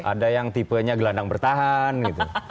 ada yang tipenya gelandang bertahan gitu